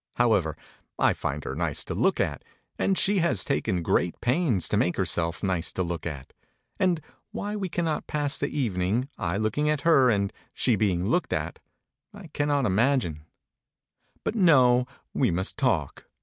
However, I find her nice to look at, and she has taken great pains to make herself nice to look at, and why we cannot pass the evening, I looking at her and she being looked at, I cannot imagine. But no; we must talk.